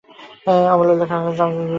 অমলের লেখা অমল এবং চারু দুজনের সম্পত্তি।